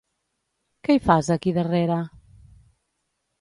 Què hi fas aquí darrere?